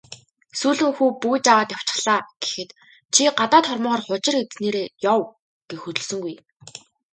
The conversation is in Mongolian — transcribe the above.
"Сүүлэн хүү бөгж аваад явчихлаа" гэхэд "Чи гадаад хормойгоор хужир идсэнээрээ яв" гээд хөдөлсөнгүй.